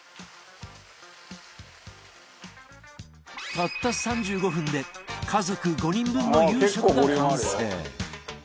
たった３５分で家族５人分の夕食が完成